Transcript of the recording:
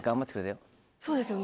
そうですよね。